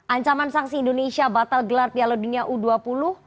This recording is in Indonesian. ancaman sanksi indonesia batal gelar piala dunia u dua puluh